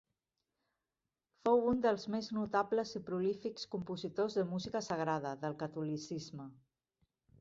Fou un dels més notables i prolífics compositors de música sagrada, del catolicisme.